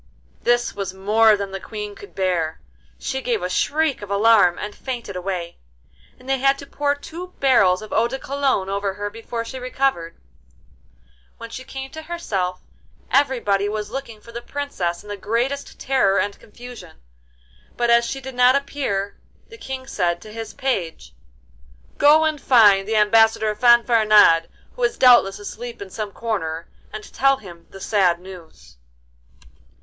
This was more than the Queen could bear. She gave a shriek of alarm and fainted away, and they had to pour two barrels of eau de cologne over her before she recovered. When she came to herself everybody was looking for the Princess in the greatest terror and confusion, but as she did not appear, the King said to his page: 'Go and find the Ambassador Fanfaronade, who is doubtless asleep in some corner, and tell him the sad news.